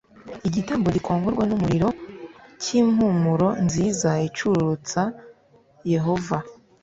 igitambo gikongorwa n umuriro cy impumuro nziza icururutsad yehova